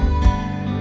aku mau ke sana